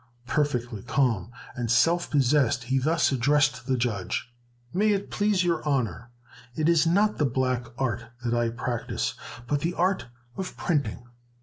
Perfectly calm, and self possessed he thus addressed the judge: "May it please your Honor: It is not the black art that I practice, but the art of printing.